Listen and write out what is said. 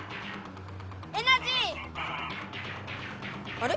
あれ？